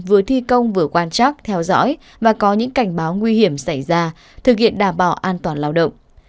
vừa thi công vừa quan chắc theo dõi và có những cảnh báo nguy hiểm xảy ra thực hiện đảm bảo an toàn lao động